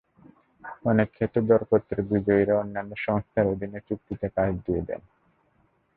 অনেক ক্ষেত্রে দরপত্রের বিজয়ীরা অন্যান্য সংস্থার অধীন চুক্তিতে কাজ দিয়ে দেন।